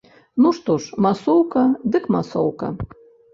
Ну што ж, масоўка, дык масоўка.